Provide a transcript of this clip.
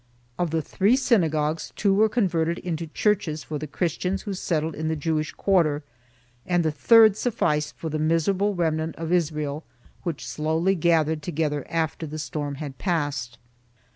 Of the three synagogues two were converted into churches for the Christians who settled in the Jewish quarter and the third sufficed for the miserable remnant of Israel which slowly gathered together after the storm had passed.